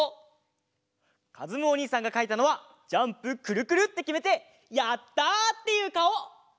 かずむおにいさんがかいたのはジャンプくるくるってきめてやったっていうかお！